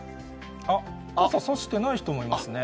傘差してない人もいますね。